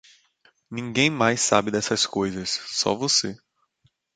Ninguém mais sabe dessas coisas, só você.